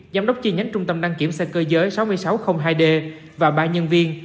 giám đốc chi nhánh trung tâm đăng kiểm xe cơ giới sáu nghìn sáu trăm linh hai d và ba nhân viên